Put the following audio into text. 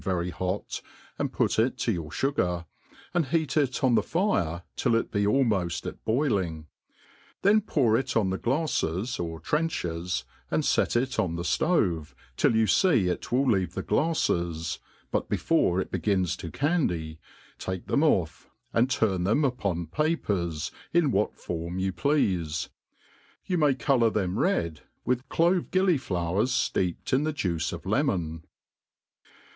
very hot, and put it to your fugar, and heat it on the fire, till it be almoft at boiling ; then pour it on the glaflies or trenchers^ and fet it on the ftove, till you fee it will leave the glaflt;s (but before it begins to candy) take them ofi^, and. turn them upon papers, in what form you pleafe. You may colour them red with clove gilliflowers fleeped in the juice of lemon..